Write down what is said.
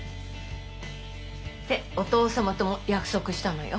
ってお父様とも約束したのよ。